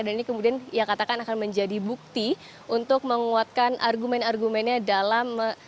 dan ini kemudian yang katakan akan menjadi bukti untuk menguatkan argumen argumennya dalam